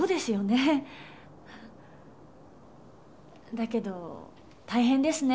だけど大変ですね